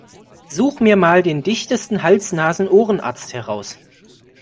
Such mir mal den dichtesten Hals-Nasen-Ohren-Arzt heraus!